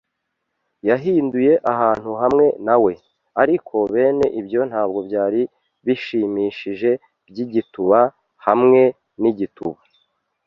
yahinduye ahantu hamwe na we; ariko bene ibyo ntabwo byari byishimishije byigituba, hamwe nigituba